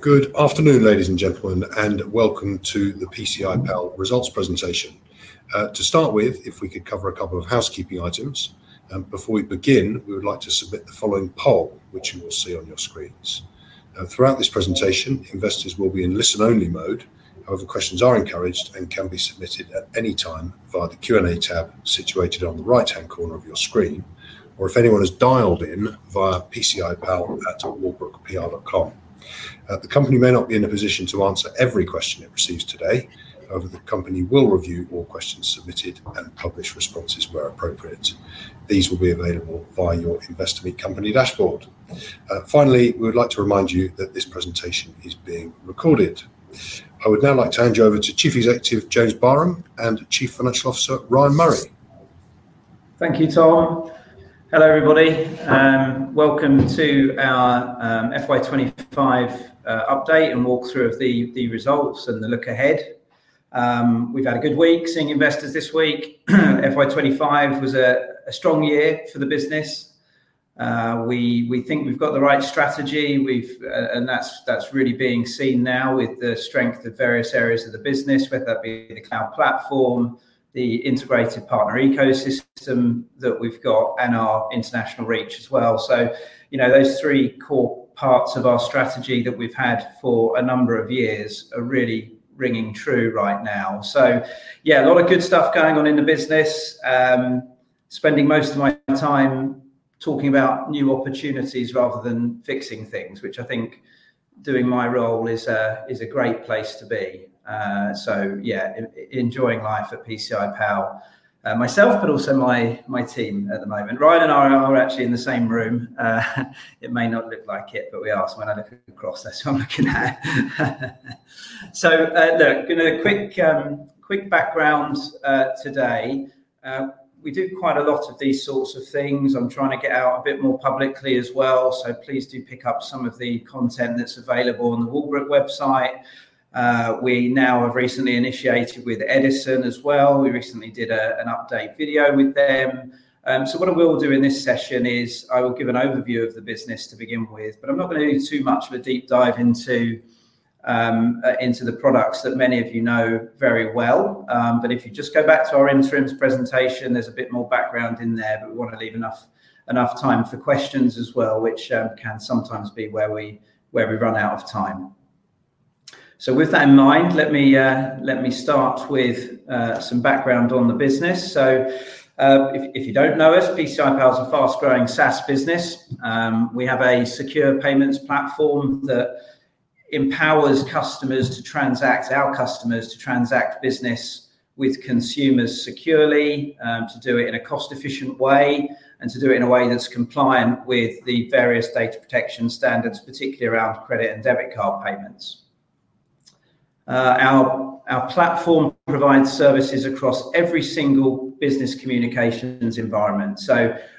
Good afternoon, ladies and gentlemen, and welcome to the PCI Pal Results Presentation. To start with, if we could cover a couple of housekeeping items. Before we begin, we would like to submit the following poll, which you will see on your screens. Throughout this presentation, investors will be in listen-only mode. However, questions are encouraged and can be submitted at any time via the Q&A tab situated on the right-hand corner of your screen, or if anyone has dialed in via pcipal@wallbrookpr.com. The company may not be in a position to answer every question it receives today. However, the company will review all questions submitted and publish responses where appropriate. These will be available via your Investor Meet Company dashboard. Finally, we would like to remind you that this presentation is being recorded. I would now like to hand you over to Chief Executive Officer James Barham and Chief Financial Officer Ryan Murray. Thank you, Tom. Hello everybody. Welcome to our FY 2025 update and walkthrough of the results and the look ahead. We've had a good week seeing investors this week. FY 2025 was a strong year for the business. We think we've got the right strategy, and that's really being seen now with the strength of various areas of the business, whether that be the cloud platform, the integrated partner ecosystem that we've got, and our international reach as well. Those three core parts of our strategy that we've had for a number of years are really ringing true right now. A lot of good stuff going on in the business. Spending most of my time talking about new opportunities rather than fixing things, which I think doing my role is a great place to be. Enjoying life at PCI Pal myself, but also my team at the moment. Ryan and I are actually in the same room. It may not look like it, but we are. When I look across, that's what I'm looking at. Going to quick background today. We do quite a lot of these sorts of things. I'm trying to get out a bit more publicly as well. Please do pick up some of the content that's available on the Wallbrook website. We now have recently initiated with Edison as well. We recently did an update video with them. What we'll do in this session is I will give an overview of the business to begin with, but I'm not going to do too much of a deep dive into the products that many of you know very well. If you just go back to our interims presentation, there's a bit more background in there, but we want to leave enough time for questions as well, which can sometimes be where we run out of time. With that in mind, let me start with some background on the business. If you don't know us, PCI Pal is a fast-growing SaaS business. We have a secure payments platform that empowers customers to transact, our customers to transact business with consumers securely, to do it in a cost-efficient way, and to do it in a way that's compliant with the various data protection standards, particularly around credit and debit card payments. Our platform provides services across every single business communications environment.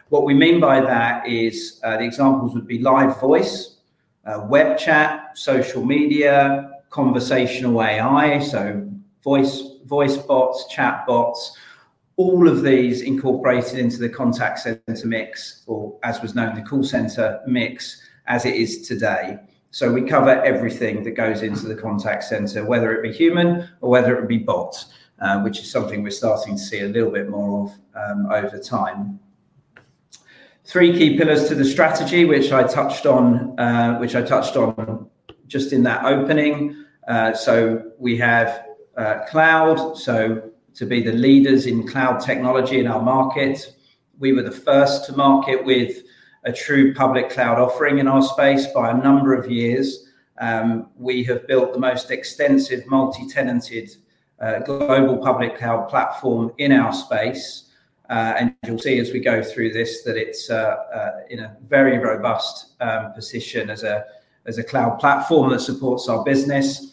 What we mean by that is the examples would be live voice, web chat, social media, conversational AI, so voice bots, chat bots, all of these incorporated into the contact center mix, or as was known, the call center mix as it is today. We cover everything that goes into the contact center, whether it be human or whether it be bots, which is something we're starting to see a little bit more of over time. Three key pillars to the strategy, which I touched on just in that opening. We have cloud. To be the leaders in cloud technology in our market, we were the first to market with a true public cloud offering in our space by a number of years. We have built the most extensive multi-tenanted global public cloud platform in our space. You'll see as we go through this that it's in a very robust position as a cloud platform that supports our business.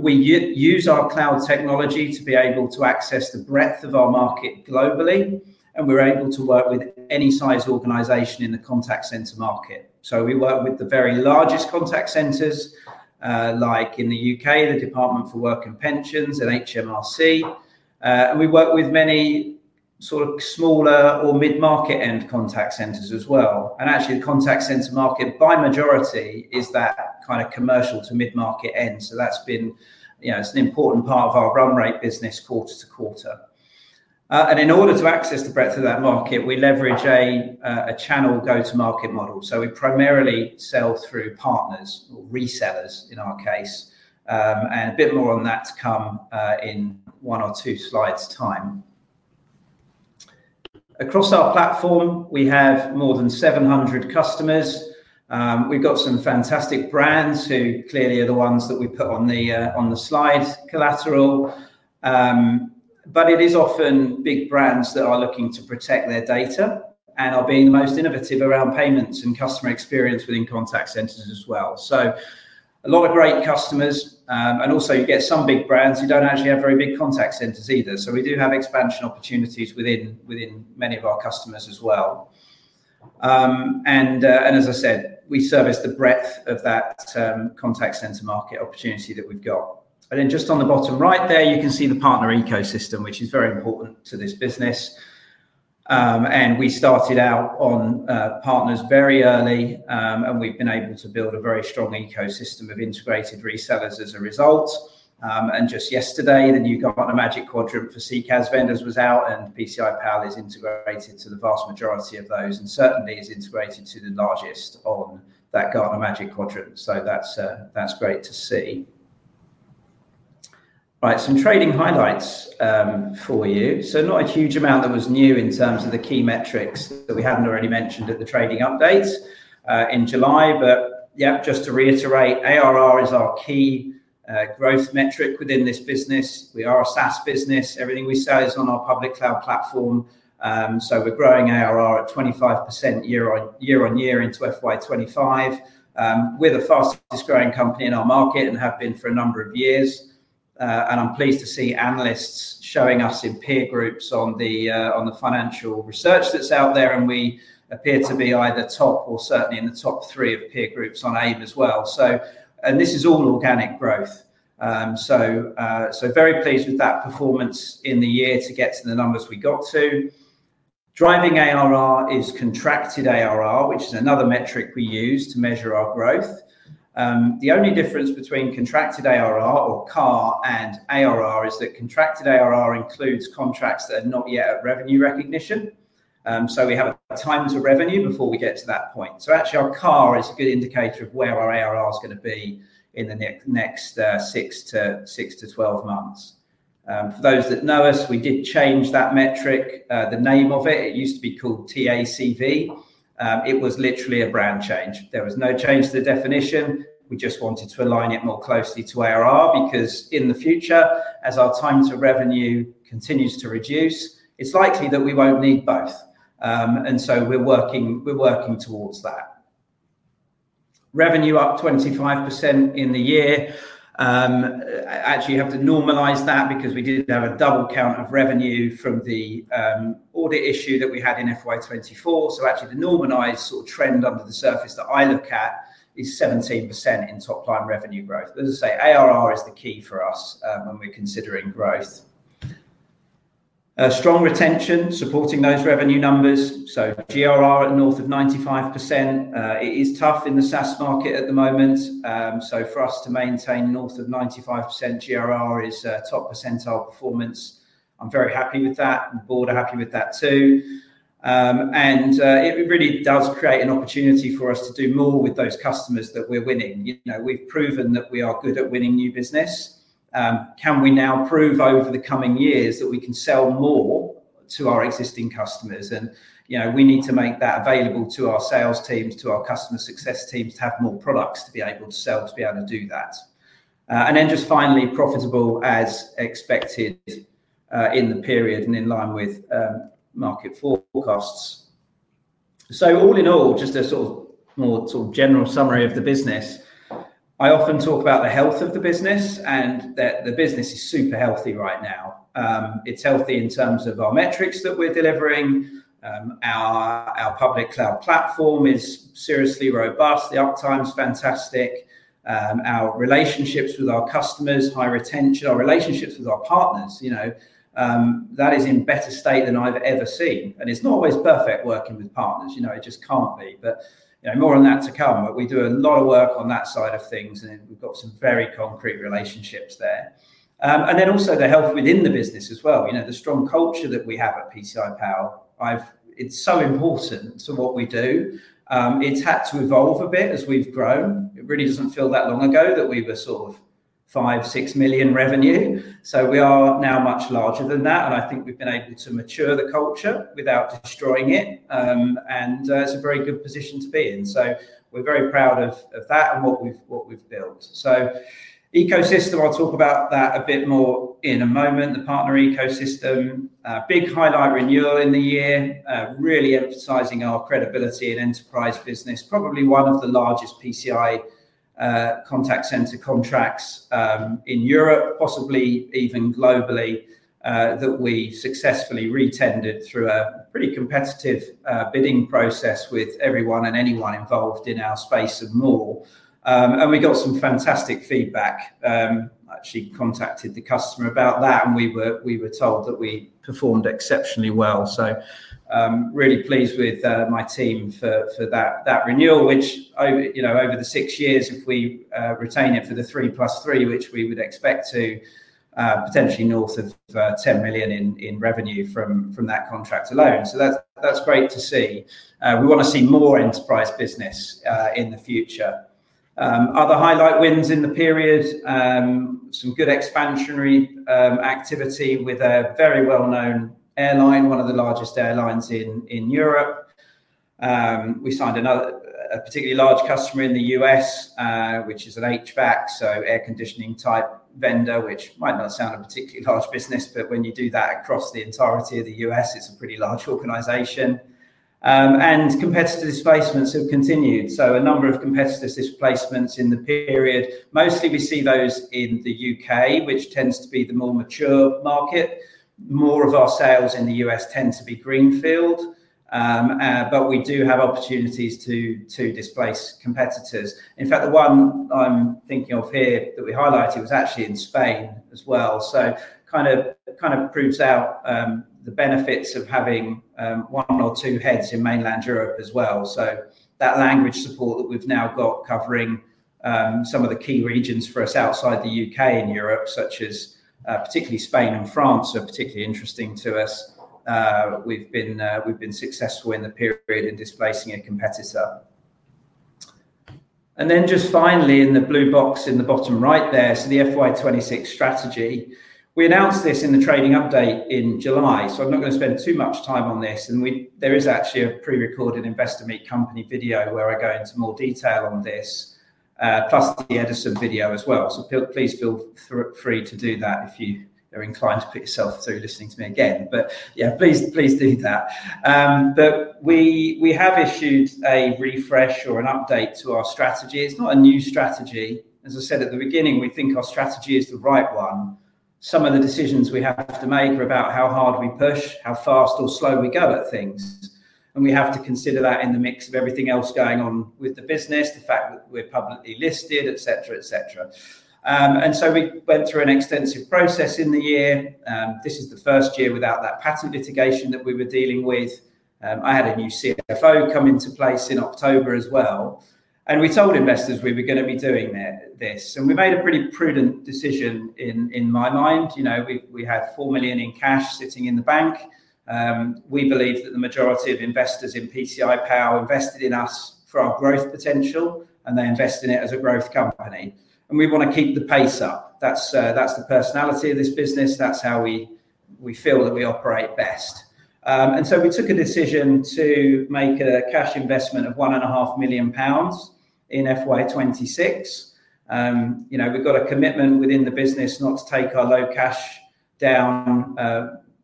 We use our cloud technology to be able to access the breadth of our market globally, and we're able to work with any size organization in the contact center market. We work with the very largest contact centers, like in the U.K., the Department for Work and Pensions, and HMRC. We work with many sort of smaller or mid-market end contact centers as well. Actually, the contact center market by majority is that kind of commercial to mid-market end. That's been, you know, it's an important part of our run rate business quarter to quarter. In order to access the breadth of that market, we leverage a channel go-to-market model. We primarily sell through partners or resellers in our case. A bit more on that to come in one or two slides' time. Across our platform, we have more than 700 customers. We've got some fantastic brands who clearly are the ones that we put on the slide collateral. It is often big brands that are looking to protect their data and are being the most innovative around payments and customer experience within contact centers as well. A lot of great customers. Also, you get some big brands who don't actually have very big contact centers either. We do have expansion opportunities within many of our customers as well. As I said, we service the breadth of that contact center market opportunity that we've got. Just on the bottom right there, you can see the partner ecosystem, which is very important to this business. We started out on partners very early, and we've been able to build a very strong ecosystem of integrated resellers as a result. Just yesterday, the new Gartner Magic Quadrant for CCaaS vendors was out, and PCI Pal is integrated to the vast majority of those and certainly is integrated to the largest on that Gartner Magic Quadrant. That's great to see. All right, some trading highlights for you. Not a huge amount that was new in terms of the key metrics that we hadn't already mentioned at the trading updates in July. Just to reiterate, ARR is our key growth metric within this business. We are a SaaS business. Everything we sell is on our public cloud platform. We're growing ARR at 25% year-on-year into FY 2025, with a fastest-growing company in our market and have been for a number of years. I'm pleased to see analysts showing us in peer groups on the financial research that's out there, and we appear to be either top or certainly in the top three of peer groups on [AVE] as well. This is all organic growth. Very pleased with that performance in the year to get to the numbers we got to. Driving ARR is contracted ARR, which is another metric we use to measure our growth. The only difference between contracted ARR or CAR and ARR is that contracted ARR includes contracts that are not yet at revenue recognition. We have a time to revenue before we get to that point. Actually, our CAR is a good indicator of where our ARR is going to be in the next 6 months-12 months. For those that know us, we did change that metric, the name of it. It used to be called TACV. It was literally a brand change. There was no change to the definition. We just wanted to align it more closely to ARR because in the future, as our time to revenue continues to reduce, it's likely that we won't need both. We're working towards that. Revenue up 25% in the year. Actually, you have to normalize that because we did have a double count of revenue from the audit issue that we had in FY 2024. Actually, the normalized sort of trend under the surface that I look at is 17% in top line revenue growth. As I say, ARR is the key for us when we're considering growth. Strong retention supporting those revenue numbers. GRR at north of 95%. It is tough in the SaaS market at the moment. For us to maintain north of 95% GRR is a top percentile performance. I'm very happy with that. The board are happy with that too. It really does create an opportunity for us to do more with those customers that we're winning. We've proven that we are good at winning new business. Can we now prove over the coming years that we can sell more to our existing customers? We need to make that available to our sales teams, to our customer success teams to have more products to be able to sell to be able to do that. Just finally, profitable as expected in the period and in line with market forecasts. All in all, just a sort of more general summary of the business. I often talk about the health of the business and that the business is super healthy right now. It's healthy in terms of our metrics that we're delivering. Our public cloud platform is seriously robust. The uptime is fantastic. Our relationships with our customers, high retention, our relationships with our partners, that is in better state than I've ever seen. It's not always perfect working with partners. It just can't be. More on that to come. We do a lot of work on that side of things, and we've got some very concrete relationships there. Also the health within the business as well. The strong culture that we have at PCI Pal, it's so important to what we do. It's had to evolve a bit as we've grown. It really doesn't feel that long ago that we were sort of five, six million revenue. We are now much larger than that. I think we've been able to mature the culture without destroying it. It's a very good position to be in. We're very proud of that and what we've built. Ecosystem, I'll talk about that a bit more in a moment. The partner ecosystem, a big highlight renewal in the year, really emphasizing our credibility in enterprise business. Probably one of the largest PCI contact center contracts in Europe, possibly even globally, that we successfully re-tended through a pretty competitive bidding process with everyone and anyone involved in our space and more. We got some fantastic feedback. I actually contacted the customer about that, and we were told that we performed exceptionally well. Really pleased with my team for that renewal, which, over the six years, if we retain it for the three plus three, which we would expect to potentially north of 10 million in revenue from that contract alone. That's great to see. We want to see more enterprise business in the future. Other highlight wins in the period, some good expansionary activity with a very well-known airline, one of the largest airlines in Europe. We signed another particularly large customer in the U.S., which is an HVAC, so air conditioning type vendor, which might not sound a particularly large business, but when you do that across the entirety of the U.S., it's a pretty large organization. Competitor displacements have continued. A number of competitors' displacements in the period. Mostly we see those in the U.K., which tends to be the more mature market. More of our sales in the U.S. tend to be greenfield, but we do have opportunities to displace competitors. In fact, the one I'm thinking of here that we highlighted was actually in Spain as well. It kind of proves out the benefits of having one or two heads in mainland Europe as well. That language support that we've now got covering some of the key regions for us outside the U.K. and Europe, such as particularly Spain and France, are particularly interesting to us. We've been successful in the period in displacing a competitor. Finally, in the blue box in the bottom right there, the FY 2026 strategy. We announced this in the trading update in July. I'm not going to spend too much time on this. There is actually a pre-recorded Investor Meet Company video where I go into more detail on this, plus the Edison video as well. Please feel free to do that if you are inclined to put yourself through listening to me again. Please do that. We have issued a refresh or an update to our strategy. It's not a new strategy. As I said at the beginning, we think our strategy is the right one. Some of the decisions we have to make are about how hard we push, how fast or slow we go at things. We have to consider that in the mix of everything else going on with the business, the fact that we're publicly listed, etc., etc. We went through an extensive process in the year. This is the first year without that patent litigation that we were dealing with. I had a new CFO come into place in October as well. We told investors we were going to be doing this. We made a pretty prudent decision in my mind. We had 4 million in cash sitting in the bank. We believe that the majority of investors in PCI Pal invested in us for our growth potential, and they invest in it as a growth company. We want to keep the pace up. That's the personality of this business. That's how we feel that we operate best. We took a decision to make a cash investment of 1.5 million pounds in FY 2026. You know, we've got a commitment within the business not to take our low cash down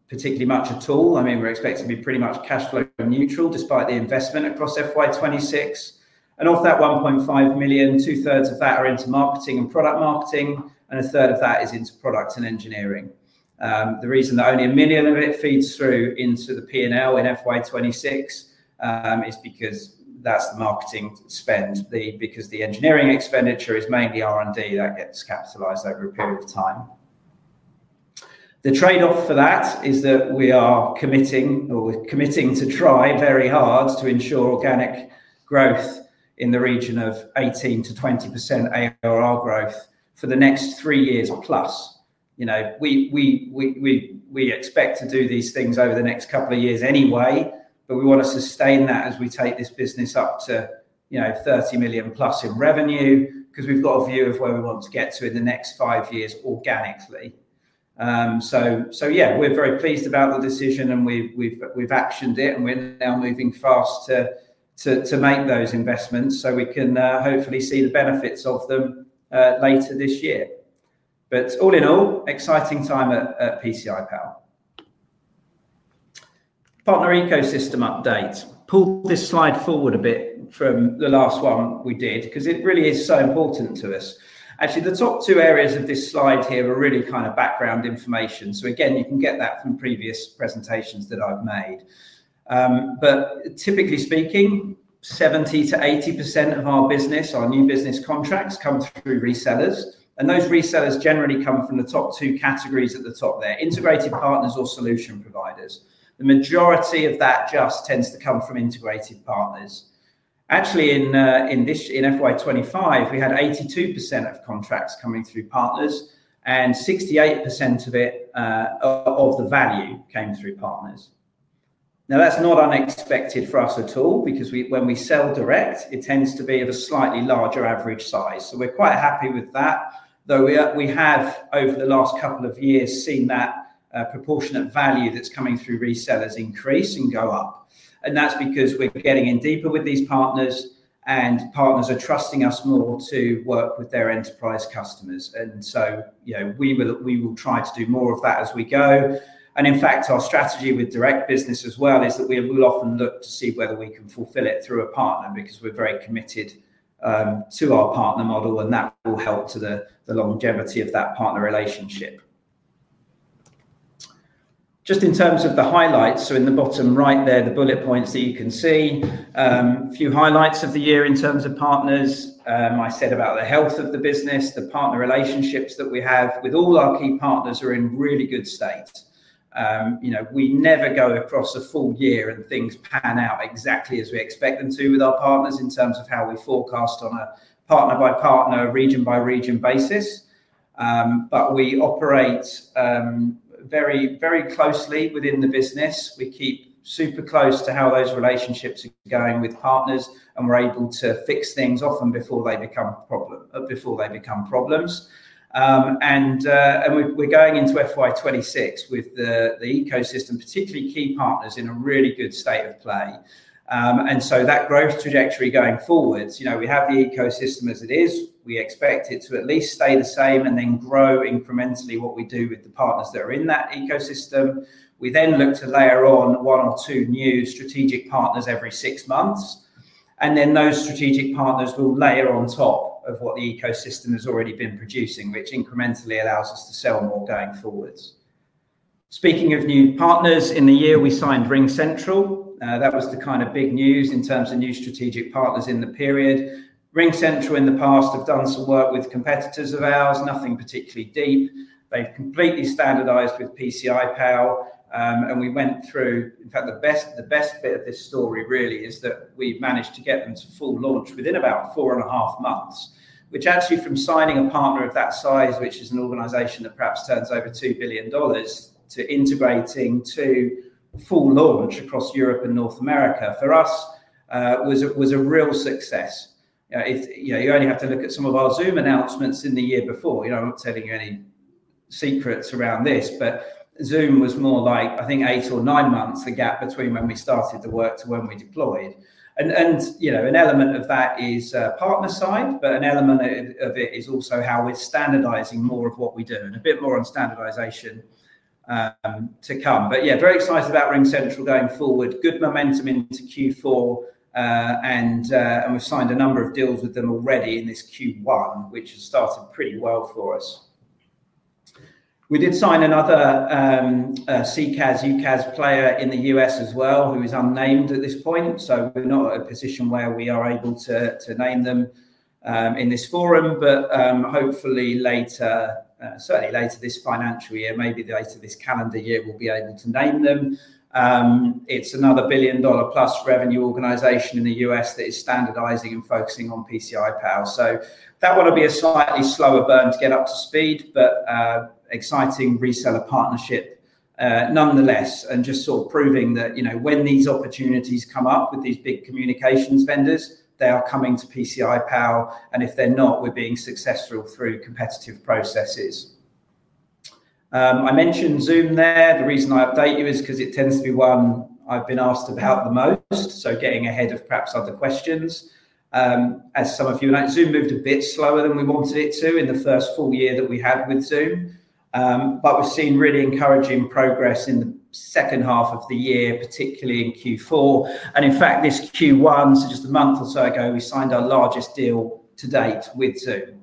particularly much at all. I mean, we're expected to be pretty much cash flow neutral despite the investment across FY 2026. Off that 1.5 million, 2/3 of that are into marketing and product marketing, and a third of that is into product and engineering. The reason that only a minimum of it feeds through into the P&L in FY 2026 is because that's the marketing spend, because the engineering expenditure is mainly R&D that gets capitalized over a period of time. The trade-off for that is that we are committing, or we're committing to try very hard to ensure organic growth in the region of 18%-20% ARR growth for the next three years plus. We expect to do these things over the next couple of years anyway, but we want to sustain that as we take this business up to, you know, 30+ million in revenue because we've got a view of where we want to get to in the next five years organically. Yeah, we're very pleased about the decision and we've actioned it and we're now moving fast to make those investments so we can hopefully see the benefits of them later this year. All in all, exciting time at PCI Pal. Partner ecosystem update. Pull this slide forward a bit from the last one we did because it really is so important to us. Actually, the top two areas of this slide here are really kind of background information. Again, you can get that from previous presentations that I've made. Typically speaking, 70%-80% of our business, our new business contracts come through resellers. Those resellers generally come from the top two categories at the top there, integrated partners or solution providers. The majority of that just tends to come from integrated partners. Actually, in FY 2025, we had 82% of contracts coming through partners and 68% of the value came through partners. That's not unexpected for us at all because when we sell direct, it tends to be of a slightly larger average size. We're quite happy with that, though we have over the last couple of years seen that proportionate value that's coming through resellers increase and go up. That's because we're getting in deeper with these partners and partners are trusting us more to work with their enterprise customers. You know, we will try to do more of that as we go. In fact, our strategy with direct business as well is that we will often look to see whether we can fulfill it through a partner because we're very committed to our partner model and that will help to the longevity of that partner relationship. Just in terms of the highlights, in the bottom right there, the bullet points that you can see, a few highlights of the year in terms of partners. I said about the health of the business, the partner relationships that we have with all our key partners are in really good state. We never go across a full year and things pan out exactly as we expect them to with our partners in terms of how we forecast on a partner by partner, a region by region basis. We operate very, very closely within the business. We keep super close to how those relationships are going with partners and we're able to fix things often before they become problems. We're going into FY 2026 with the ecosystem, particularly key partners in a really good state of play. That growth trajectory going forwards, we have the ecosystem as it is. We expect it to at least stay the same and then grow incrementally what we do with the partners that are in that ecosystem. We then look to layer on one or two new strategic partners every six months. Those strategic partners will layer on top of what the ecosystem has already been producing, which incrementally allows us to sell more going forwards. Speaking of new partners in the year, we signed RingCentral. That was the kind of big news in terms of new strategic partners in the period. RingCentral in the past have done some work with competitors of ours, nothing particularly deep. They've completely standardized with PCI Pal. We went through, in fact, the best bit of this story really is that we've managed to get them to full launch within about four and a half months, which actually from signing a partner of that size, which is an organization that perhaps turns over $2 billion, to integrating to full launch across Europe and North America for us was a real success. You only have to look at some of our Zoom announcements in the year before. I'm not telling you any secrets around this, but Zoom was more like, I think, eight or nine months the gap between when we started the work to when we deployed. An element of that is partner side, but an element of it is also how we're standardizing more of what we do and a bit more on standardization to come. Very excited about RingCentral going forward. Good momentum into Q4. We've signed a number of deals with them already in this Q1, which has started pretty well for us. We did sign another CCaaS/UCaaS player in the U.S. as well, who is unnamed at this point. We're not at a position where we are able to name them in this forum, but hopefully later, certainly later this financial year, maybe later this calendar year, we'll be able to name them. It's another billion dollar plus revenue organization in the U.S. that is standardizing and focusing on PCI Pal. That one will be a slightly slower burn to get up to speed, but exciting reseller partnership nonetheless. Just sort of proving that when these opportunities come up with these big communications vendors, they are coming to PCI Pal. If they're not, we're being successful through competitive processes. I mentioned Zoom there. The reason I update you is because it tends to be one I've been asked about the most. Getting ahead of perhaps other questions, as some of you and I, Zoom moved a bit slower than we wanted it to in the first full year that we had with Zoom. We've seen really encouraging progress in the second half of the year, particularly in Q4. In fact, this Q1, just a month or so ago, we signed our largest deal to date with Zoom.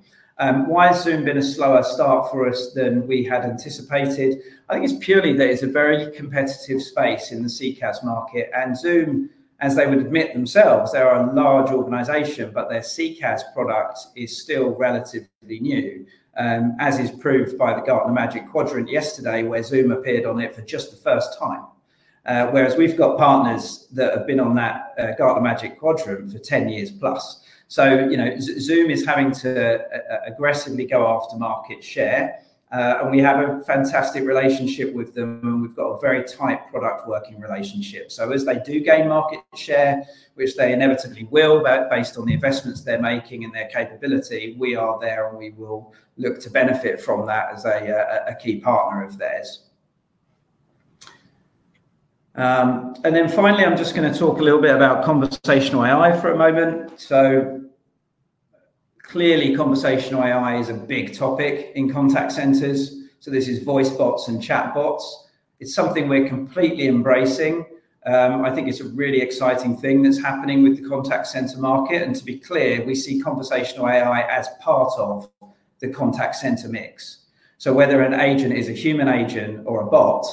Why has Zoom been a slower start for us than we had anticipated? I think it's purely that it's a very competitive space in the CCaaS market. Zoom, as they would admit themselves, they're a large organization, but their CCaaS product is still relatively new, as is proved by the Gartner Magic Quadrant yesterday where Zoom appeared on it for just the first time. We've got partners that have been on that Gartner Magic Quadrant for 10+ years. Zoom is having to aggressively go after market share. We have a fantastic relationship with them. We've got a very tight product working relationship. As they do gain market share, which they inevitably will, based on the investments they're making and their capability, we are there and we will look to benefit from that as a key partner of theirs. Finally, I'm just going to talk a little bit about conversational AI for a moment. Clearly, conversational AI is a big topic in contact centers. This is voice bots and chat bots. It's something we're completely embracing. I think it's a really exciting thing that's happening with the contact center market. To be clear, we see conversational AI as part of the contact center mix. Whether an agent is a human agent or a bot,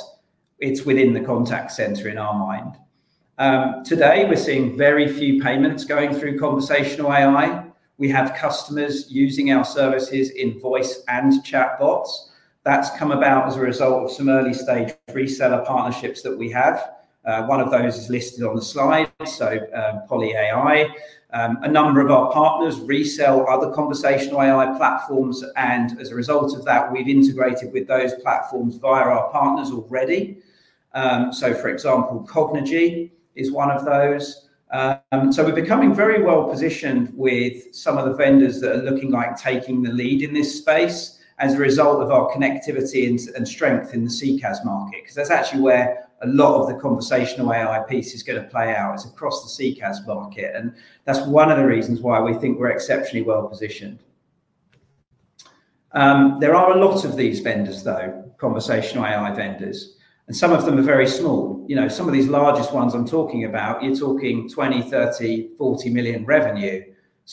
it's within the contact center in our mind. Today, we're seeing very few payments going through conversational AI. We have customers using our services in voice and chat bots. That's come about as a result of some early stage reseller partnerships that we have. One of those is listed on the slide. PolyAI, a number of our partners resell other conversational AI platforms. As a result of that, we've integrated with those platforms via our partners already. For example, Cognigy is one of those. We're becoming very well positioned with some of the vendors that are looking like taking the lead in this space as a result of our connectivity and strength in the CCaaS market. That's actually where a lot of the conversational AI piece is going to play out. It's across the CCaaS market. That's one of the reasons why we think we're exceptionally well-positioned. There are a lot of these vendors, conversational AI vendors. Some of them are very small. Some of these largest ones I'm talking about, you're talking 20 million, 30 million, 40 million revenue.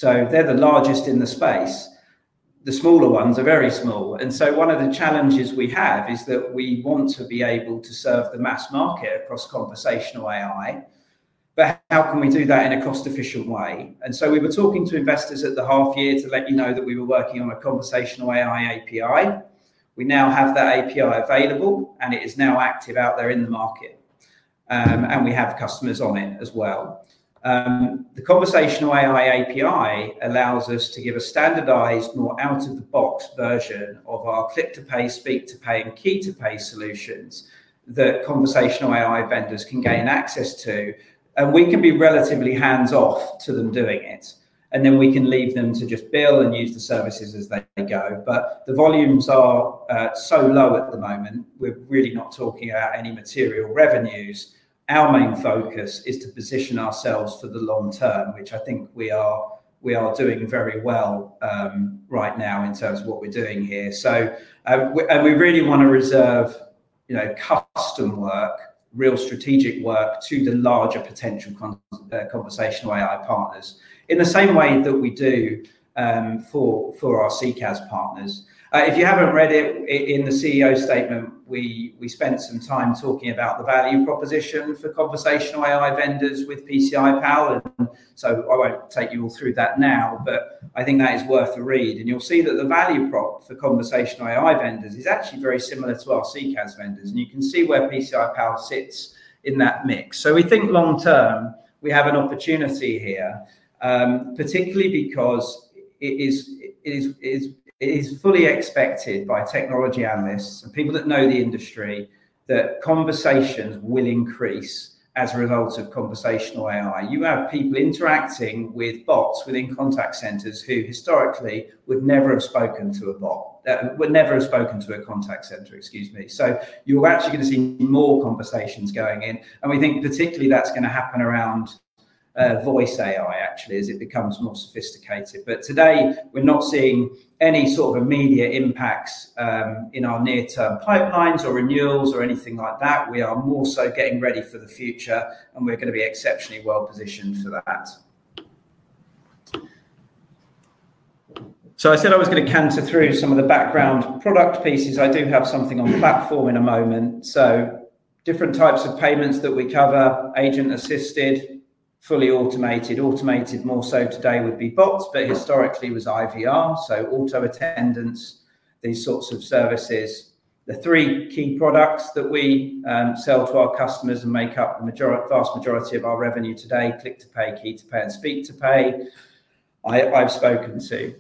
They're the largest in the space. The smaller ones are very small. One of the challenges we have is that we want to be able to serve the mass market across conversational AI. How can we do that in a cost-efficient way? We were talking to investors at the half year to let you know that we were working on a conversational AI API. We now have that API available, and it is now active out there in the market. We have customers on it as well. The conversational AI API allows us to give a standardized, more out-of-the-box version of our click-to-pay, speak-to-pay, and key-to-pay solutions that conversational AI vendors can gain access to. We can be relatively hands-off to them doing it. We can leave them to just bill and use the services as they go. The volumes are so low at the moment. We're really not talking about any material revenues. Our main focus is to position ourselves for the long term, which I think we are doing very well right now in terms of what we're doing here. We really want to reserve, you know, custom work, real strategic work to the larger potential conversational AI partners in the same way that we do for our CCaaS partners. If you haven't read it in the CEO statement, we spent some time talking about the value proposition for conversational AI vendors with PCI Pal. I won't take you all through that now, but I think that is worth a read. You'll see that the value prop for conversational AI vendors is actually very similar to our CCaaS vendors. You can see where PCI Pal sits in that mix. We think long term, we have an opportunity here, particularly because it is fully expected by technology analysts and people that know the industry that conversations will increase as a result of conversational AI. You have people interacting with bots within contact centers who historically would never have spoken to a bot. Would never have spoken to a contact center, excuse me. You're actually going to see more conversations going in. We think particularly that's going to happen around voice AI, actually, as it becomes more sophisticated. Today, we're not seeing any sort of immediate impacts in our near-term pipelines or renewals or anything like that. We are more so getting ready for the future, and we're going to be exceptionally well positioned for that. I said I was going to canter through some of the background product pieces. I do have something on platform in a moment. Different types of payments that we cover, agent assisted, fully automated, automated more so today would be bots, but historically was IVR, so auto-attendance, these sorts of services. The three key products that we sell to our customers and make up the vast majority of our revenue today, click-to-pay, key-to-pay, and speak-to-pay, I've spoken to.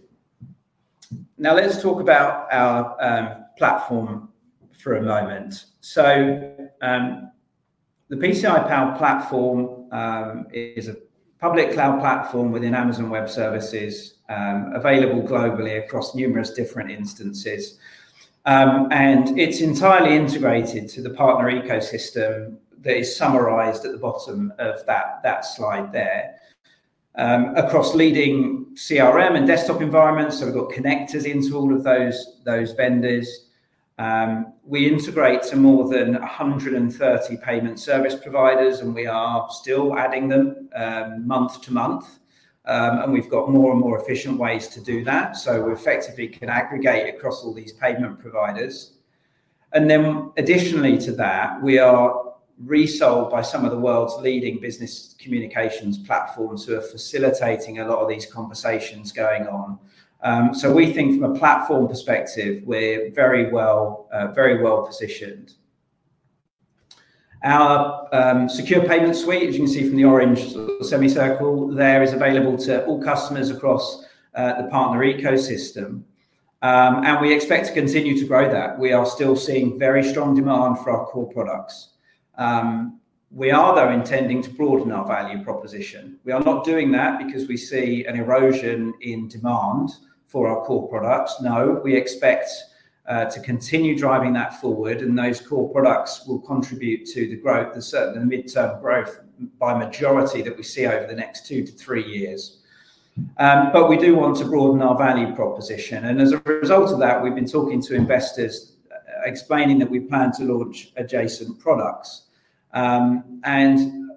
Now let's talk about our platform for a moment. The PCI Pal platform is a public cloud platform within Amazon Web Services, available globally across numerous different instances. It's entirely integrated to the partner ecosystem that is summarized at the bottom of that slide there. Across leading CRM and desktop environments, we've got connectors into all of those vendors. We integrate to more than 130 payment service providers, and we are still adding them month to month. We've got more and more efficient ways to do that. We effectively can aggregate across all these payment providers. Additionally to that, we are resold by some of the world's leading business communications platforms who are facilitating a lot of these conversations going on. We think from a platform perspective, we're very well positioned. Our secure payment suite, as you can see from the orange semicircle there, is available to all customers across the partner ecosystem. We expect to continue to grow that. We are still seeing very strong demand for our core products. We are, though, intending to broaden our value proposition. We are not doing that because we see an erosion in demand for our core products. No, we expect to continue driving that forward. Those core products will contribute to the growth, the certain mid-term growth by majority that we see over the next two to three years. We do want to broaden our value proposition. As a result of that, we've been talking to investors explaining that we plan to launch adjacent products.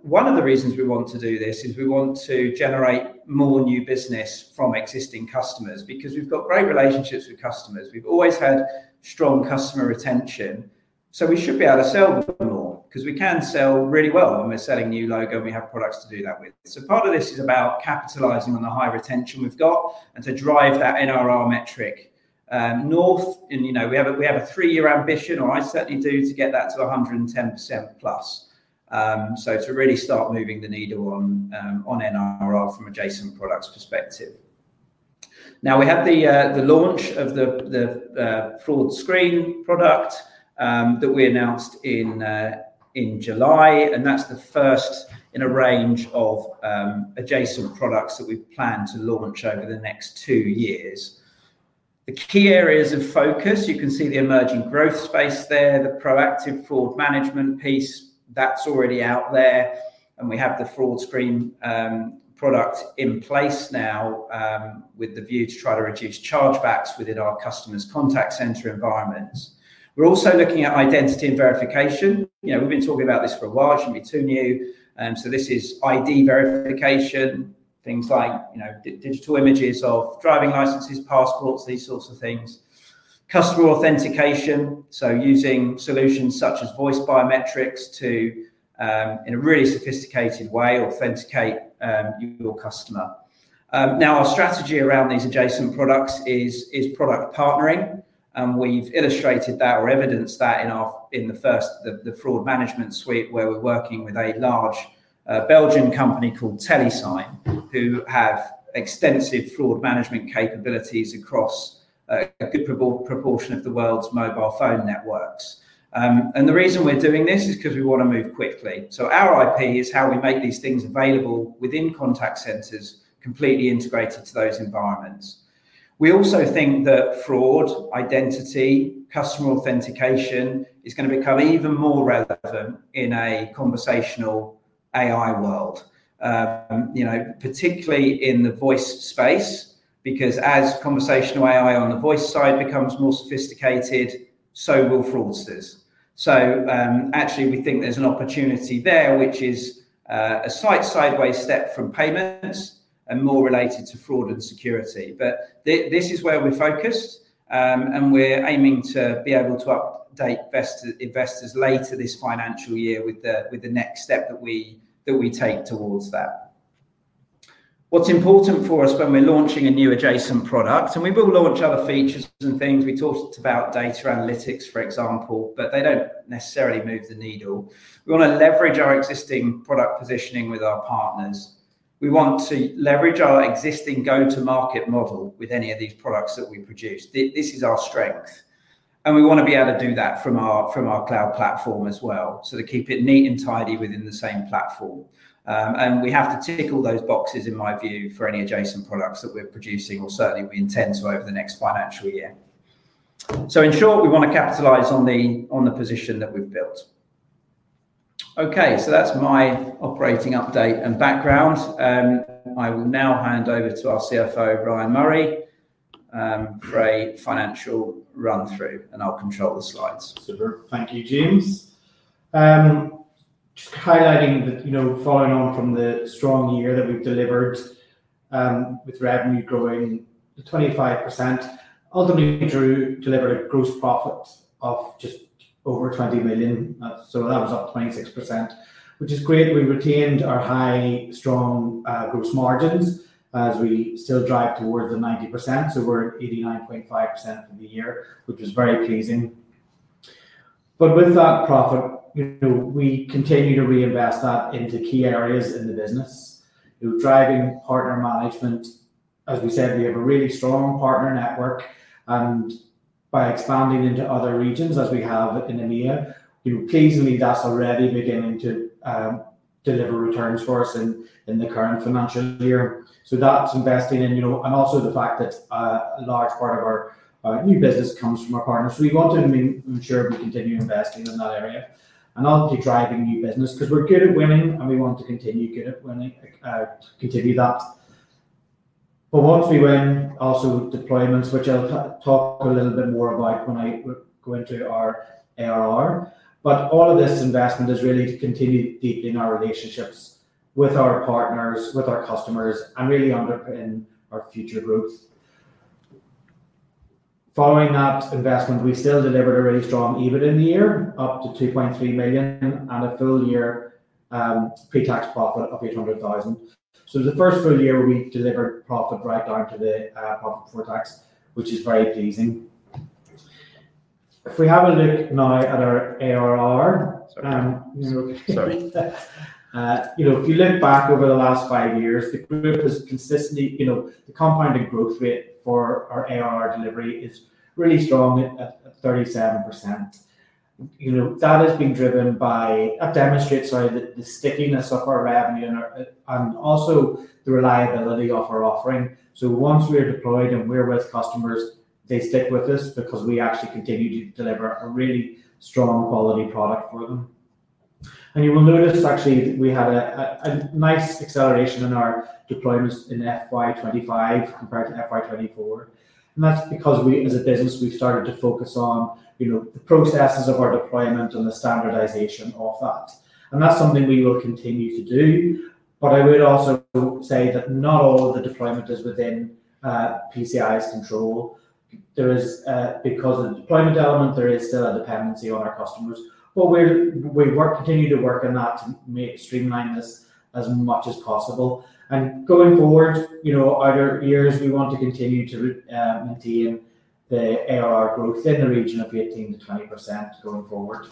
One of the reasons we want to do this is we want to generate more new business from existing customers because we've got great relationships with customers. We've always had strong customer retention. We should be able to sell more because we can sell really well. We're selling a new logo and we have products to do that with. Part of this is about capitalizing on the high retention we've got and to drive that NRR metric north. We have a three-year ambition, or I certainly do, to get that to 110%+. To really start moving the needle on NRR from adjacent products perspective. We have the launch of the AI-powered fraud risk scoring product that we announced in July. That's the first in a range of adjacent products that we plan to launch over the next two years. The key areas of focus, you can see the emerging growth space there, the proactive fraud management piece that's already out there. We have the AI-powered fraud risk scoring product in place now with the view to try to reduce chargebacks within our customers' contact center environments. We're also looking at identity and verification. We've been talking about this for a while. It shouldn't be too new. This is ID verification, things like digital images of driving licenses, passports, these sorts of things. Customer authentication, using solutions such as voice biometrics to, in a really sophisticated way, authenticate your customer. Our strategy around these adjacent products is product partnering. We've illustrated that or evidenced that in the first, the fraud management suite where we're working with a large Belgian company called Telesign, who have extensive fraud management capabilities across a good proportion of the world's mobile phone networks. The reason we're doing this is because we want to move quickly. Our IP is how we make these things available within contact centers, completely integrated to those environments. We also think that fraud identity, customer authentication is going to become even more relevant in a conversational AI world, you know, particularly in the voice space because as conversational AI on the voice side becomes more sophisticated, so will fraudsters. We think there's an opportunity there, which is a slight sideways step from payments and more related to fraud and security. This is where we're focused. We're aiming to be able to update investors later this financial year with the next step that we take towards that. What's important for us when we're launching a new adjacent product, and we will launch other features and things, we talked about data analytics, for example, but they don't necessarily move the needle. We want to leverage our existing product positioning with our partners. We want to leverage our existing go-to-market model with any of these products that we produce. This is our strength. We want to be able to do that from our cloud platform as well, to keep it neat and tidy within the same platform. We have to tick all those boxes, in my view, for any adjacent products that we're producing, or certainly we intend to over the next financial year. In short, we want to capitalize on the position that we've built. Okay, that's my operating update and background. I will now hand over to our CFO, Ryan Murray, for a financial run-through, and I'll control the slides. Thank you, James. Just highlighting that, you know, following on from the strong year that we've delivered with revenue growing to 25%, ultimately we delivered a gross profit of just over 20 million. That was up 26%, which is great. We retained our high, strong gross margins as we still drive towards the 90%. We're at 89.5% for the year, which is very pleasing. With that profit, we continue to reinvest that into key areas in the business. We're driving partner management. As we said, we have a really strong partner network. By expanding into other regions, as we have in EMEA, that's already beginning to deliver returns for us in the current financial year. That's investing in, and also the fact that a large part of our new business comes from our partners. We want to ensure we continue investing in that area and not only driving new business because we're good at winning and we want to continue good at winning and continue that. Once we win, also deployments, which I'll talk a little bit more about when I go into our ARR. All of this investment is really to continue deepening our relationships with our partners, with our customers, and really underpinning our future growth. Following that investment, we still delivered a really strong EBITDA in the year, up to 2.3 million, and a full year pre-tax profit of 800,000. The first full year we delivered profit right down to the public foretalk, which is very pleasing. If we have a look now at our ARR, if you look back over the last five years, the group has consistently, the compounding growth rate for our ARR delivery is really strong at 37%. That demonstrates the stickiness of our revenue and also the reliability of our offering. Once we're deployed and we're with customers, they stick with us because we actually continue to deliver a really strong quality product for them. You will notice we had a nice acceleration in our deployments in FY 2025 compared to FY 2024. That's because we, as a business, started to focus on the processes of our deployment and the standardization of that. That's something we will continue to do. I would also say that not all of the deployment is within PCI's control. Because of the deployment element, there is still a dependency on our customers. We continue to work on that to streamline this as much as possible. Going forward, other years we want to continue to maintain the ARR growth in the region of 15%-20% going forward.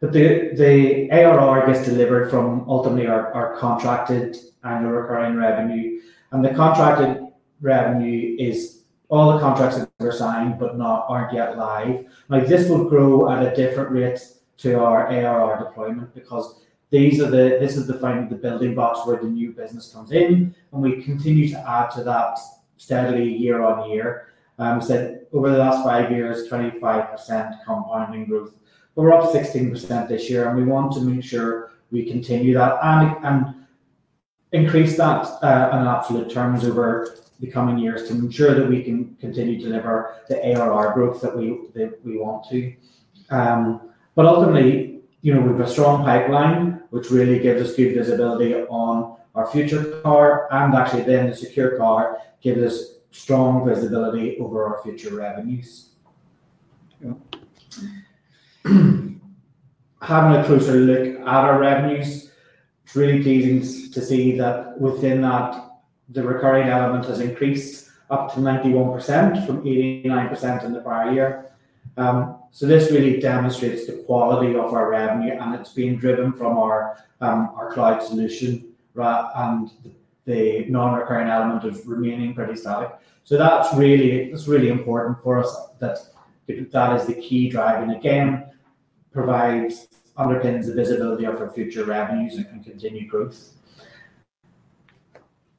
The ARR gets delivered from ultimately our contracted and the recurring revenue. The contracted revenue is all the contracts that were signed but aren't yet live. This will grow at a different rate to our ARR deployment because this is the final building blocks where the new business comes in. We continue to add to that steadily year-on-year. We said over the last five years, 25% compounding growth, but we're up 16% this year. We want to make sure we continue that and increase that in absolute terms over the coming years to ensure that we can continue to deliver the ARR growth that we want to. Ultimately, you know, we have a strong pipeline, which really gives us good visibility on our future ARR. Actually, being a secure ARR gives us strong visibility over our future revenues. How do I close the loop? Our revenues, it's really pleasing to see that within that, the recurring element has increased up to 91% from 89% in the prior year. This really demonstrates the quality of our revenue, and it's being driven from our cloud solution, right? The non-recurring element is remaining pretty static. That's really important for us. That is the key driving. Again, it underpins the visibility of our future revenues and continued growth.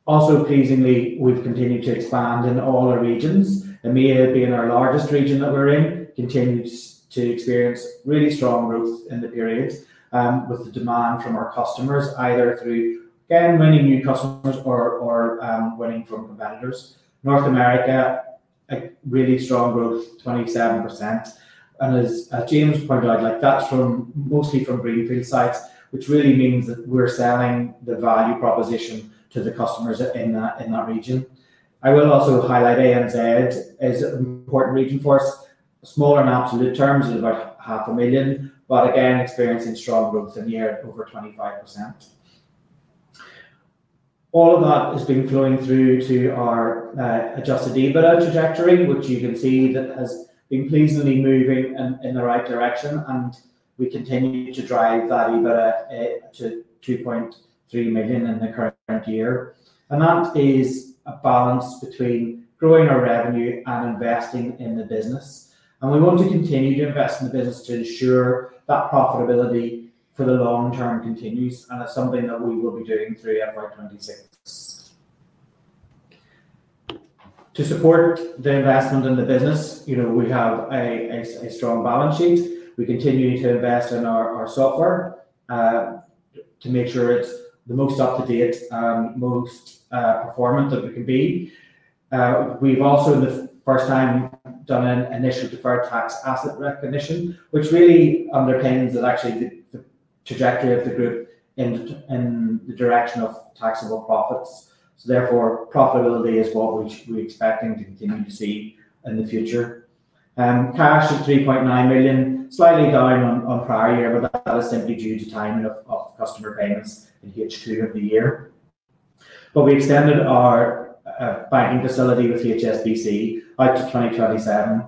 Also, pleasingly, we've continued to expand in all our regions. EMEA, being our largest region that we're in, continues to experience really strong growth in the areas with the demand from our customers, either through getting many new customers or winning from competitors. North America, a really strong growth, 27%. As James pointed out, that's mostly from breeding field sites, which really means that we're selling the value proposition to the customers in that region. I will also highlight ANZ as an important region for us. Small in absolute terms, it's about 500,000, but again, experiencing strong growth in the year over 25%. All of that has been flowing through to our adjusted EBITDA trajectory, which you can see has been pleasingly moving in the right direction. We continue to drive that EBITDA to 2.3 million in the current year. That is a balance between growing our revenue and investing in the business. We want to continue to invest in the business to ensure that profitability for the long term continues. That's something that we will be doing through FY 2026. To support the investment in the business, you know, we have a strong balance sheet. We continue to invest in our software to make sure it's the most up-to-date, most performant that it can be. We've also, for the first time, done an initiative for our tax asset recognition, which really underpins that actually the trajectory of the group is in the direction of taxable profits. Therefore, profitability is what we're expecting to continue to see in the future. Cash at 3.9 million, slightly down on prior year, but that was simply due to timing of customer payments in Q2 of the year. We extended our banking facility with HSBC up to 2027,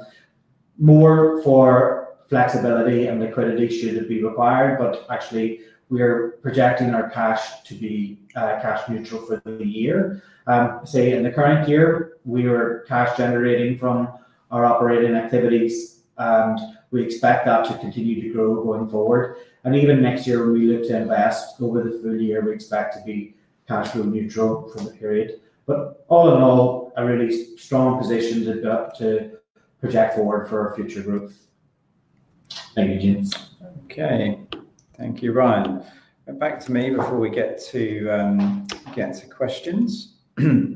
more for flexibility and liquidity should it be required. Actually, we are projecting our cash to be cash neutral for the year. I say in the current year, we are cash generating from our operating activities. We expect that to continue to grow going forward. Even next year, we look to invest over the full year. We expect to be cash flow neutral from the period. All in all, a really strong position to project forward for our future growth. Thank you, James. Thank you, Ryan. Back to me before we get to questions. I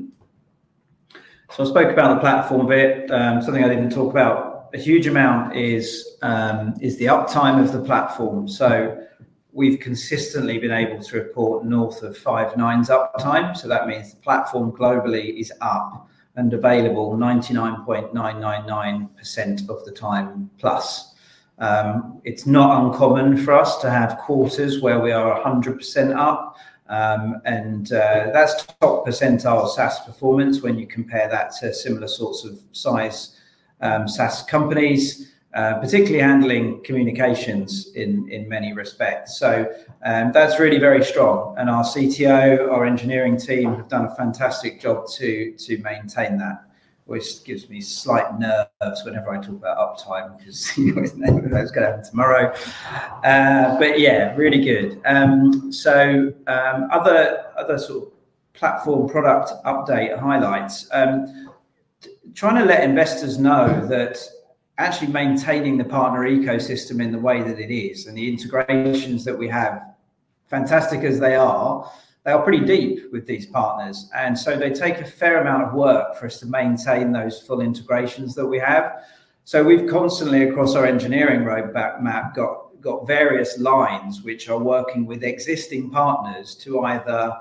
spoke about the platform a bit. Something I didn't talk about a huge amount is the uptime of the platform. We've consistently been able to report north of five nines uptime. That means the platform globally is up and available 99.999% of the time plus. It's not uncommon for us to have quarters where we are 100% up. That's the top percentile SaaS performance when you compare that to similar sorts of size SaaS companies, particularly handling communications in many respects. That's really very strong. Our CTO, our engineering team have done a fantastic job to maintain that, which gives me slight nerves whenever I talk about uptime because you always know what's going to happen tomorrow. Really good. Other sort of platform product update highlights, trying to let investors know that actually maintaining the partner ecosystem in the way that it is and the integrations that we have, fantastic as they are, they are pretty deep with these partners. They take a fair amount of work for us to maintain those full integrations that we have. We've constantly, across our engineering roadmap, got various lines which are working with existing partners to either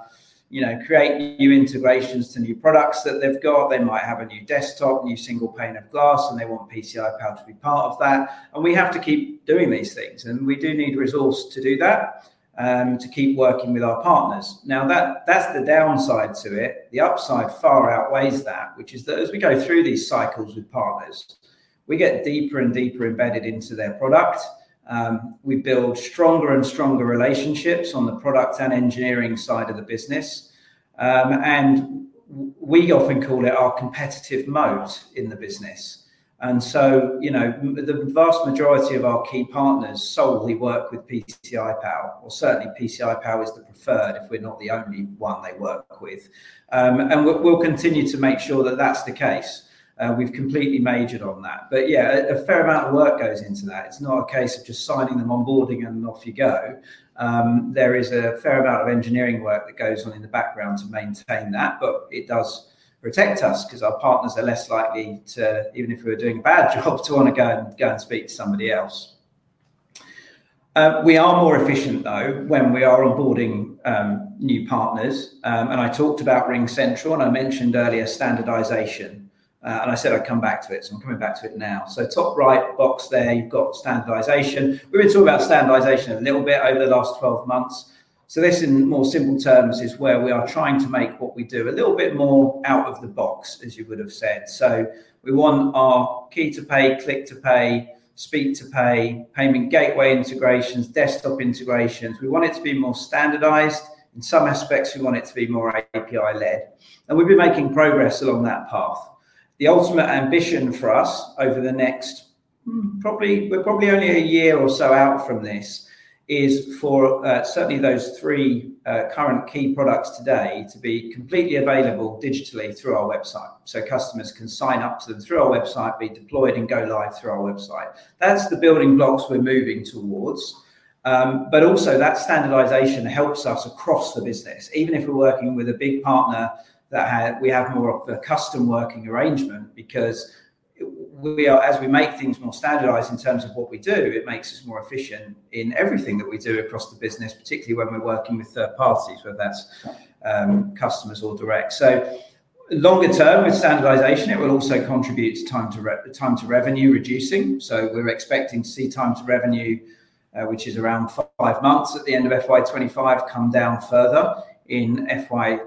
create new integrations to new products that they've got. They might have a new desktop, new single pane of glass, and they want PCI Pal to be part of that. We have to keep doing these things. We do need resources to do that, to keep working with our partners. That is the downside to it. The upside far outweighs that, which is that as we go through these cycles with partners, we get deeper and deeper embedded into their product. We build stronger and stronger relationships on the product and engineering side of the business, and we often call it our competitive moat in the business. The vast majority of our key partners solely work with PCI Pal, or certainly PCI Pal is the preferred if we're not the only one they work with. We'll continue to make sure that that's the case. We've completely majored on that. A fair amount of work goes into that. It's not a case of just signing them, onboarding, and off you go. There is a fair amount of engineering work that goes on in the background to maintain that, but it does protect us because our partners are less likely to, even if we were doing bad jobs, to want to go and speak to somebody else. We are more efficient, though, when we are onboarding new partners. I talked about RingCentral and I mentioned earlier standardization. I said I'd come back to it, so I'm coming back to it now. Top right box there, you've got standardization. We've been talking about standardization a little bit over the last 12 months. This in more simple terms is where we are trying to make what we do a little bit more out of the box, as you would have said. We want our key-to-pay, click-to-pay, speed-to-pay, payment gateway integrations, desktop integrations. We want it to be more standardized. In some aspects, we want it to be more API-led. We've been making progress along that path. The ultimate ambition for us over the next, probably we're probably only a year or so out from this, is for certainly those three current key products today to be completely available digitally through our website. Customers can sign up to them through our website, be deployed, and go live through our website. That's the building blocks we're moving towards. That standardization helps us across the business. Even if we're working with a big partner that we have more of a custom working arrangement, as we make things more standardized in terms of what we do, it makes us more efficient in everything that we do across the business, particularly when we're working with third parties, whether that's customers or direct. Longer term with standardization, it will also contribute to time-to-revenue reducing. We're expecting to see time-to-revenue, which is around five months at the end of FY 2025, come down further in FY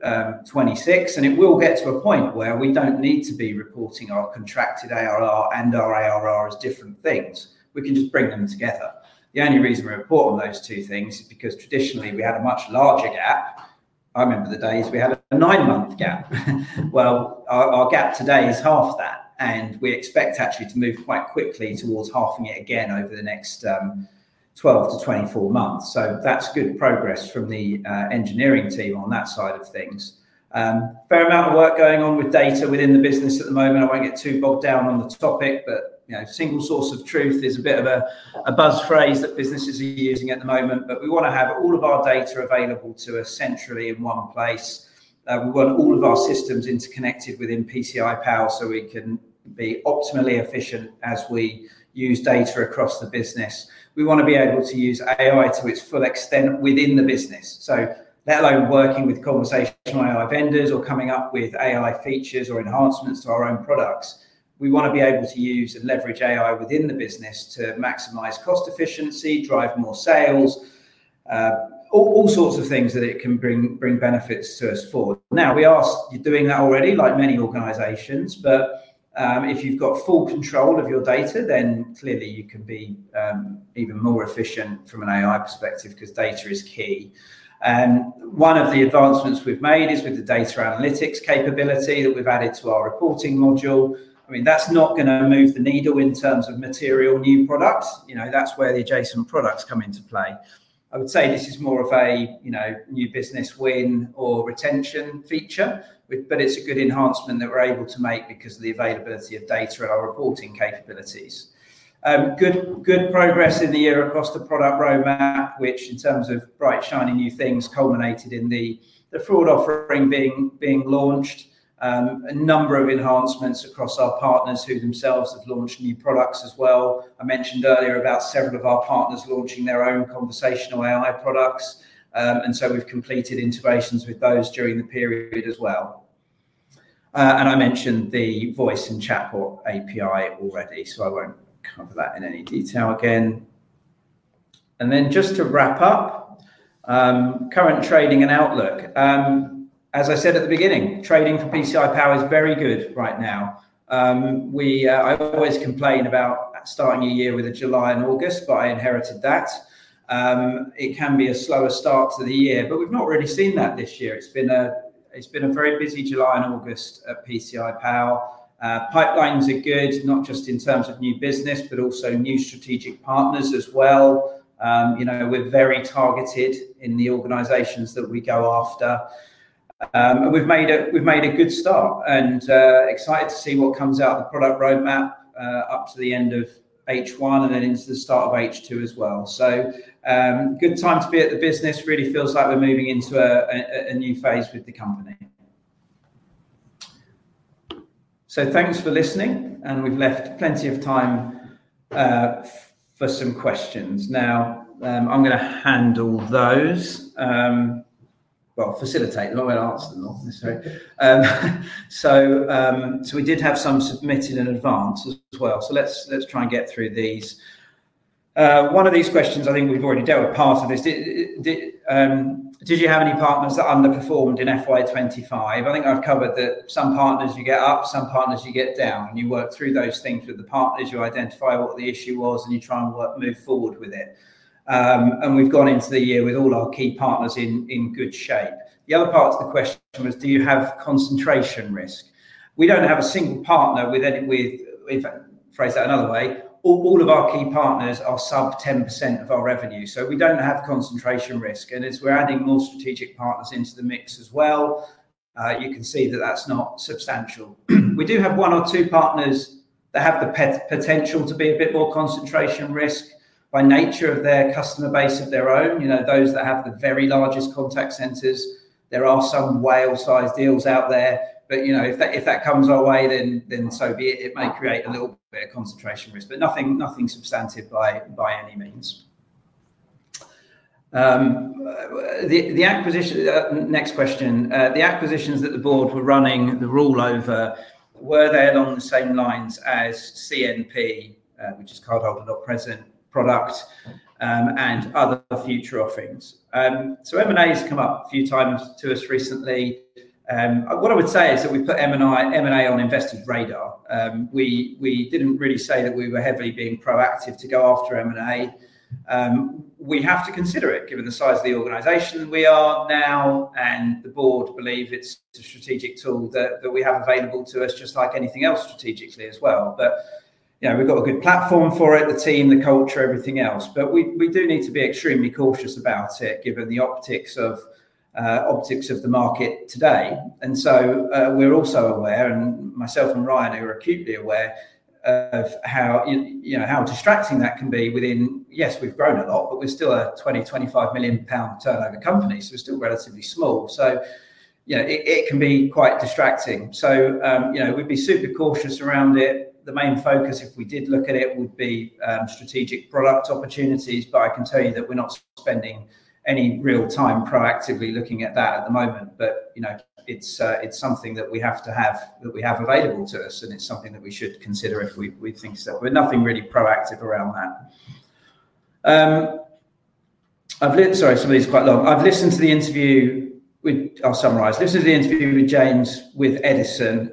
2026. It will get to a point where we don't need to be reporting our contracted ARR and our ARR as different things. We can just bring them together. The only reason we report on those two things is because traditionally we had a much larger gap. I remember the days we had a nine-month gap. Our gap today is half that. We expect actually to move quite quickly towards halving it again over the next 12 months-24 months. That's good progress from the engineering team on that side of things. A fair amount of work is going on with data within the business at the moment. I won't get too bogged down on the topic, but single source of truth is a bit of a buzz phrase that businesses are using at the moment. We want to have all of our data available to us centrally in one place. We want all of our systems interconnected within PCI Pal so we can be optimally efficient as we use data across the business. We want to be able to use AI to its full extent within the business. Let alone working with conversational AI vendors or coming up with AI product features or enhancements to our own products, we want to be able to use and leverage AI within the business to maximize cost efficiency, drive more sales, all sorts of things that it can bring benefits to us for. We are doing that already, like many organizations, but if you've got full control of your data, then clearly you can be even more efficient from an AI perspective because data is key. One of the advancements we've made is with the data analytics capability that we've added to our reporting module. That's not going to move the needle in terms of material new products. That's where the adjacent products come into play. I would say this is more of a new business win or retention feature, but it's a good enhancement that we're able to make because of the availability of data and our reporting capabilities. Good progress in the year across the product roadmap, which in terms of bright shiny new things culminated in the fraud offering being launched. A number of enhancements across our partners who themselves have launched new products as well. I mentioned earlier about several of our partners launching their own conversational AI products, and we've completed integrations with those during the period as well. I mentioned the voice and chatbot API already, so I won't cover that in any detail again. To wrap up, current trading and outlook. As I said at the beginning, trading for PCI Pal is very good right now. I always complain about starting a year with a July and August, but I inherited that. It can be a slower start to the year, but we've not really seen that this year. It's been a very busy July and August at PCI Pal. Pipelines are good, not just in terms of new business, but also new strategic partners as well. We're very targeted in the organizations that we go after, and we've made a good start and excited to see what comes out of the product roadmap up to the end of H1 and then into the start of H2 as well. Good time to be at the business. Really feels like we're moving into a new phase with the company. Thank you for listening, and we've left plenty of time for some questions. Now, I'm going to handle those. Facilitate, not answer them all necessarily. We did have some submitted in advance. It was 12. Let's try and get through these. One of these questions I think we've already dealt with part of this. Did you have any partners that underperformed in FY 2025? I think I've covered that. Some partners you get up, some partners you get down, and you work through those things with the partners. You identify what the issue was and you try and move forward with it. We've gone into the year with all our key partners in good shape. The other part of the question was, do you have concentration risk? We don't have a single partner with any, if I phrase that another way, all of our key partners are sub 10% of our revenue. We don't have concentration risk, and as we're adding more strategic partners into the mix as well, you can see that that's not substantial. We do have one or two partners that have the potential to be a bit more concentration risk by nature of their customer base of their own. Those that have the very largest contact centers, there are some whale-sized deals out there. If that comes our way, then so be it. It may create a little bit of concentration risk, but nothing substantive by any means. The acquisition, next question, the acquisitions that the board were running, the rollover, were they along the same lines as CNP, which is Card Not Present, products, and other future offerings? M&A has come up a few times to us recently. What I would say is that we put M&A on investors' radar. We didn't really say that we were heavily being proactive to go after M&A. We have to consider it given the size of the organization we are now, and the board believe it's a strategic tool that we have available to us, just like anything else strategically as well. We've got a good platform for it, the team, the culture, everything else. We do need to be extremely cautious about it given the optics of the market today. We're also aware, and myself and Ryan are acutely aware of how distracting that can be within, yes, we've grown a lot, but we're still a 20 million, 25 million pound turnover company. We're still relatively small. It can be quite distracting. We'd be super cautious around it. The main focus, if we did look at it, would be strategic product opportunities. I can tell you that we're not spending any real time proactively looking at that at the moment. It's something that we have to have, that we have available to us. It's something that we should consider if we think so. Nothing really proactive around that. I've listened, sorry, some of these are quite long. I've listened to the interview with James with Edison,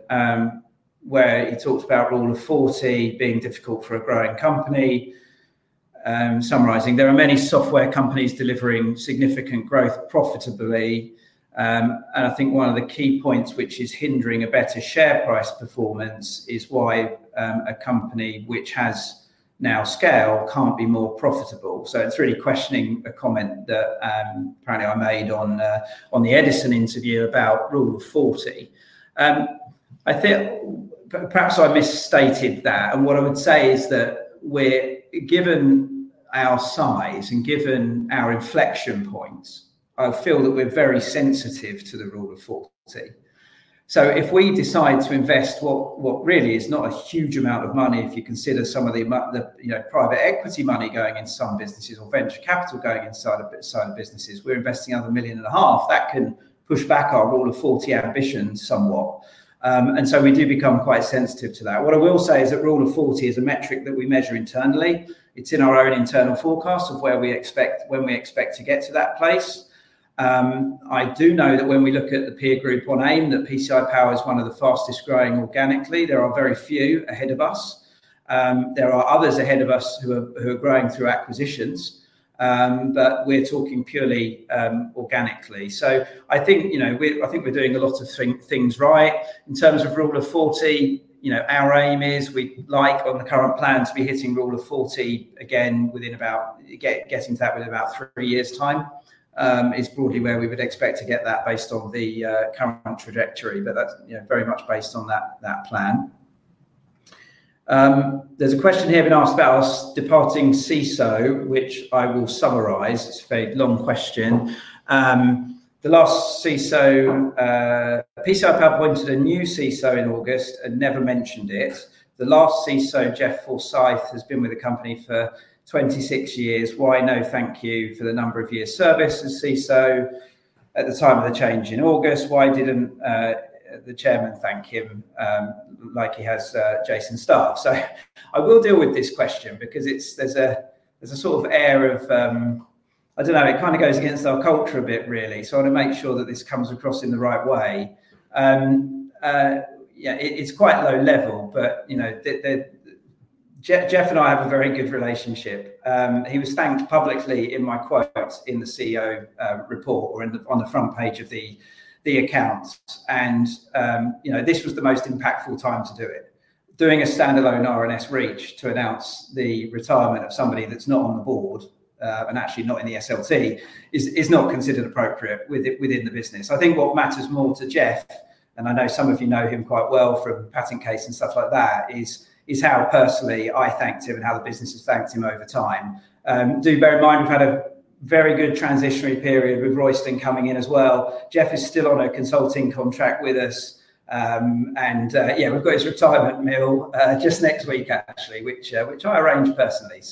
where he talks about all of 4C being difficult for a growing company. Summarizing, there are many software companies delivering significant growth profitably. I think one of the key points, which is hindering a better share price performance, is why a company which has now scale can't be more profitable. It's really questioning a comment that apparently I made on the Edison interview about rule of 40. I think perhaps I misstated that. What I would say is that we're, given our size and given our inflection points, I feel that we're very sensitive to the rule of 40. If we decide to invest what really is not a huge amount of money, if you consider some of the private equity money going in some businesses or venture capital going inside of some businesses, we're investing under 1.5 million. That can push back our rule of 40 ambitions somewhat. We do become quite sensitive to that. What I will say is that rule of 40 is a metric that we measure internally. It's in our own internal forecast of where we expect, when we expect to get to that place. I do know that when we look at the peer group on AIM, that PCI Pal is one of the fastest growing organically. There are very few ahead of us. There are others ahead of us who are growing through acquisitions. We're talking purely organically. I think we're doing a lot of things right. In terms of rule of 40, our aim is we'd like on the current plan to be hitting rule of 40 again within about, getting to that within about three years' time. It's broadly where we would expect to get that based on the current trajectory. That's very much based on that plan. There's a question here I've been asked about our departing CISO, which I will summarize. It's a very long question. The last CISO, PCI Pal appointed a new CISO in August and never mentioned it. The last CISO, Jeff Forsythe, has been with the company for 26 years. Why no thank you for the number of years' service as CISO at the time of the change in August? Why didn't the chairman thank him like he has Jason Starr? I will deal with this question because there's a sort of air of, I don't know, it kind of goes against our culture a bit, really. I want to make sure that this comes across in the right way. It's quite low level, but Jeff and I have a very good relationship. He was thanked publicly in my quotes in the CEO report or on the front page of the accounts. This was the most impactful time to do it. Doing a standalone RNS reach to announce the retirement of somebody that's not on the board and actually not in the SLT is not considered appropriate within the business. I think what matters more to Jeff, and I know some of you know him quite well from patent case and stuff like that, is how personally I thanked him and how the business has thanked him over time. Do bear in mind we've had a very good transitionary period with Royston coming in as well. Jeff is still on a consulting contract with us. We've got his retirement meal just next week, actually, which I arranged personally.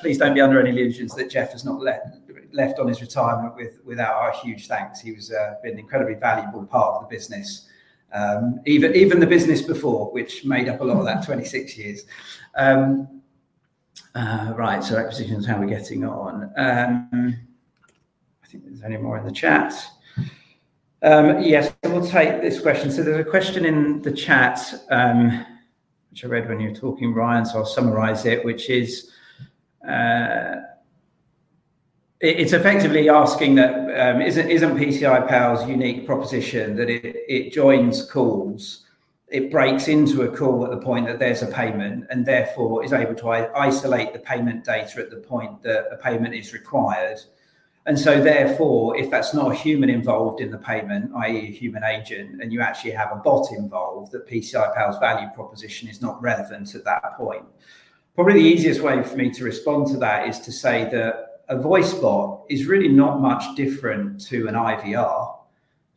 Please don't be under any illusions that Jeff has not left on his retirement without our huge thanks. He was an incredibly valuable part of the business, even the business before, which made up a lot of that 26 years. Acquisition is how we're getting on. I think there's any more in the chat. Yes, we'll take this question. There's a question in the chat, which I read when you were talking, Ryan, so I'll summarize it. It's effectively asking that isn't PCI Pal's unique proposition that it joins calls, it breaks into a call at the point that there's a payment and therefore is able to isolate the payment data at the point that a payment is required. Therefore, if that's not a human involved in the payment, i.e., a human agent, and you actually have a bot involved, that PCI Pal's value proposition is not relevant at that point. Probably the easiest way for me to respond to that is to say that a voice bot is really not much different to an IVR.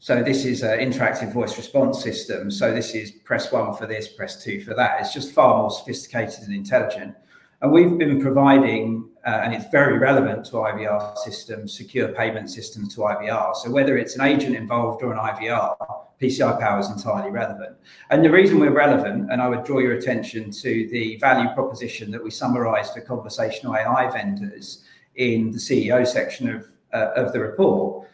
This is an interactive voice response system. This is press one for this, press two for that. It's just far more sophisticated and intelligent. We've been providing, and it's very relevant to IVR systems, secure payment systems to IVR. Whether it's an agent involved or an IVR, PCI Pal is entirely relevant. The reason we're relevant, and I would draw your attention to the value proposition that we summarized for conversational AI vendors in the CEO section of the report,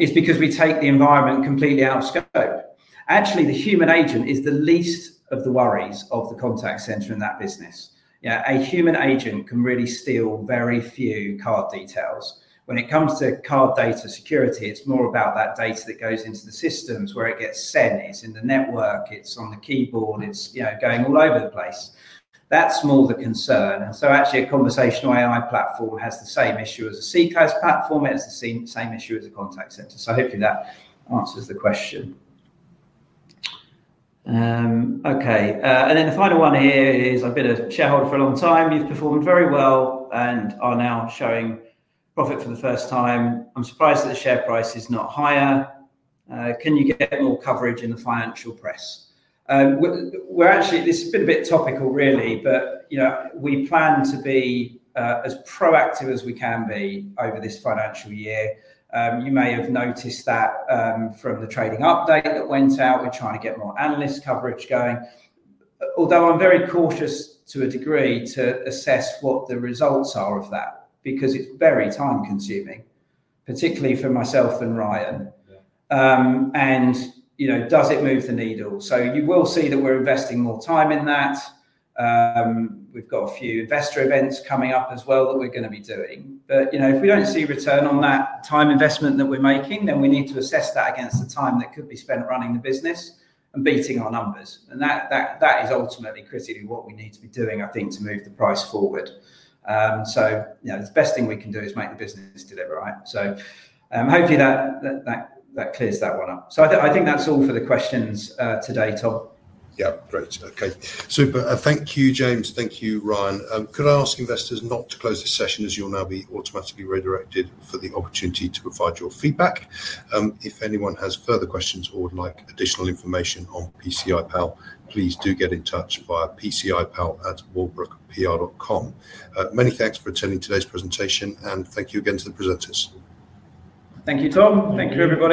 is because we take the environment completely out of scope. Actually, the human agent is the least of the worries of the contact center in that business. A human agent can really steal very few card details. When it comes to card data security, it's more about that data that goes into the systems where it gets sent. It's in the network, it's on the keyboard, it's going all over the place. That's more the concern. Actually, a conversational AI platform has the same issue as a CCaaS platform. It has the same issue as a contact center. Hopefully that answers the question. The final one here is I've been a shareholder for a long time. You've performed very well and are now showing profit for the first time. I'm surprised that the share price is not higher. Can you get more coverage in the financial press? This has been a bit topical really, but we plan to be as proactive as we can be over this financial year. You may have noticed that from the trading update that went out, we're trying to get more analyst coverage going. Although I'm very cautious to a degree to assess what the results are of that because it's very time-consuming, particularly for myself and Ryan. Does it move the needle? You will see that we're investing more time in that. We've got a few investor events coming up as well that we're going to be doing. If we don't see return on that time investment that we're making, then we need to assess that against the time that could be spent running the business and beating our numbers. That is ultimately critically what we need to be doing, I think, to move the price forward. The best thing we can do is make the business deliver, right? Hopefully that clears that one up. I think that's all for the questions today, Tom. Yeah, great. Okay, super. Thank you, James. Thank you, Ryan. Could I ask investors not to close this session as you'll now be automatically redirected for the opportunity to provide your feedback? If anyone has further questions or would like additional information on PCI Pal, please do get in touch via pcipal@wallbrookpr.com. Many thanks for attending today's presentation, and thank you again to the presenters. Thank you, Tom. Thank you, everybody.